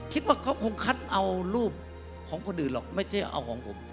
คิดว่าเขาคงคัดเอารูปของคนอื่นหรอกไม่ใช่เอาของผม